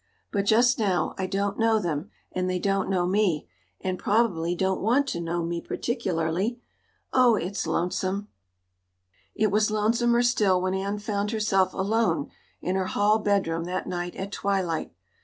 But just now I don't know them and they don't know me, and probably don't want to know me particularly. Oh, it's lonesome!" It was lonesomer still when Anne found herself alone in her hall bedroom that night at twilight.